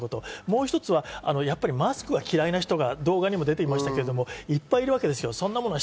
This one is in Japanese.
もう一つはマスクが嫌いな人が、動画にも出ていましたが、いっぱいいるわけです。